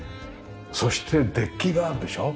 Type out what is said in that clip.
そしてデッキがあるでしょ？